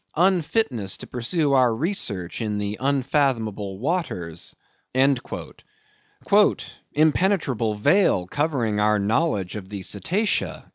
"Unfitness to pursue our research in the unfathomable waters." "Impenetrable veil covering our knowledge of the cetacea."